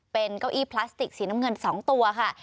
เป็นเก้าอี้พลาสติกสีน้ำเงิน๒ตัวค่ะ